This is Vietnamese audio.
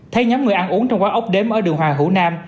thấy nhóm người ăn uống trong quán ốc đếm ở đường hoàng hữu nam